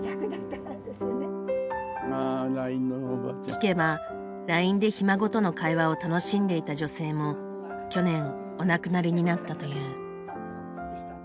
聞けばＬＩＮＥでひ孫との会話を楽しんでいた女性も去年お亡くなりになったという。